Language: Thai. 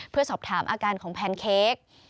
เพื่อสอบถามอาการของแพนเค้ก